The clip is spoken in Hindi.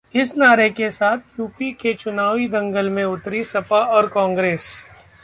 इस नारे के साथ यूपी के चुनावी दंगल में उतरी सपा और कांग्रेस